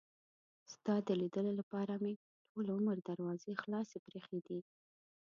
ستا د لیدلو لپاره مې ټول عمر دروازې خلاصې پرې ایښي دي.